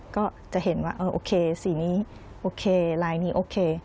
ก็จะเห็นว่าเออโอเคสีนี้โอเคลายนี้โอเค